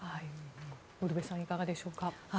ウルヴェさんいかがでしょうか。